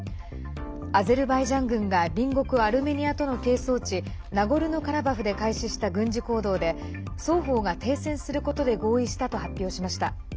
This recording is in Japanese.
アゼルバイジャン軍が隣国アルメニアとの係争地ナゴルノカラバフで開始した軍事行動で双方が停戦することで合意したと発表しました。